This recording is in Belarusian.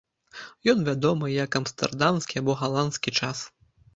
Ён вядомы як амстэрдамскі або галандскі час.